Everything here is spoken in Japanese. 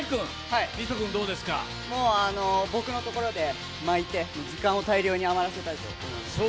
僕のところで巻いて、時間を大量に余らせたいと思います。